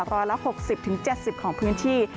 ร้อยละ๖๐๗๐ของพื้นที่